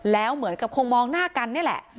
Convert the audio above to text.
แล้วเหมือนกับคงมองหน้ากันนี่แหละ